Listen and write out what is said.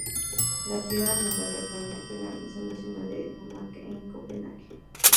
La piedra se encuentra actualmente en el Museo Nacional de Dinamarca en Copenhague.